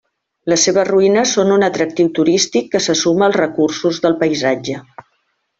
Les seves ruïnes són un atractiu turístic que se suma als recursos del paisatge.